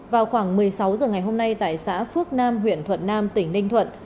vào khoảng một mươi sáu h ngày hôm nay tại xã phước nam huyện thuận nam tỉnh ninh thuận